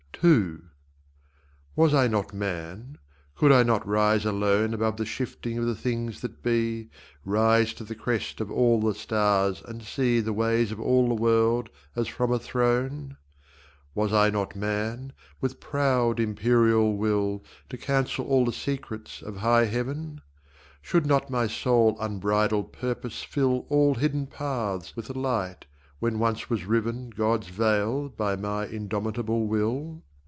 II Was I not man? Could I not rise alone Above the shifting of the things that be, Rise to the crest of all the stars and see The ways of all the world as from a throne? Was I not man, with proud imperial will To cancel all the secrets of high heaven? Should not my sole unbridled purpose fill All hidden paths with light when once was riven God's veil by my indomitable will?